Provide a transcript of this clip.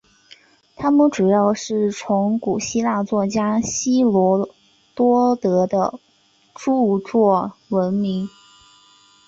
他们主要是从古希腊作家希罗多德的着作闻名。